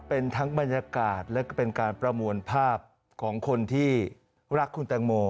เป็นทั้งบรรยากาศและก็เป็นการประมวลภาพของคนที่รักคุณแตงโม